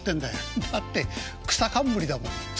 「だって草かんむりだもん」。